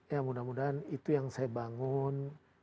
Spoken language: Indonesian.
ya mudah mudahan itu yang saya bangun